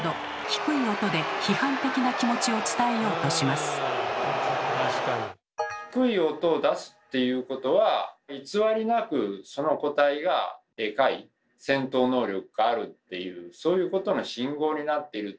低い音を出すっていうことは偽りなくその個体がでかい戦闘能力があるっていうそういうことの信号になっている。